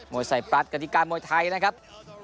มวยไส้ปลั๊ดกรรมที่การมวยไทยนะครับ